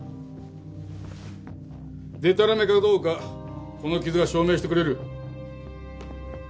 でたらめかどうかこの傷が証明してくれる。